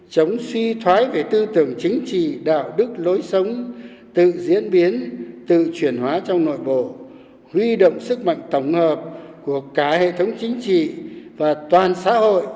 chống suy thoái về tư tưởng chính trị đạo đức lối sống tự diễn biến tự chuyển hóa trong nội bộ huy động sức mạnh tổng hợp của cả hệ thống chính trị và toàn xã hội